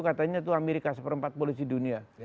katanya itu amerika seperempat polisi dunia